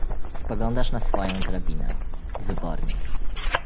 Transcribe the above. "spoglądasz na swoję drabinę... wybornie."